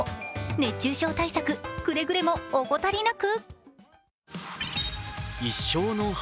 熱中症対策、くれぐれも怠りなく。